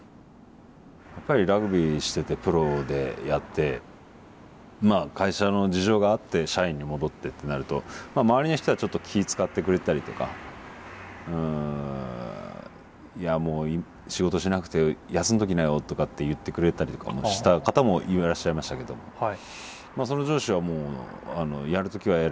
やっぱりラグビーしててプロでやってまあ会社の事情があって社員に戻ってってなるとまあ周りの人はちょっと気ぃ遣ってくれてたりとかいやもう仕事しなくて休んどきなよとかって言ってくれてたりとかもした方もいらっしゃいましたけどもまあその上司はもうやる時はやれよみたいな。